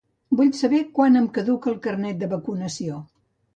Vull saber quan em caduca el carnet de vacunació.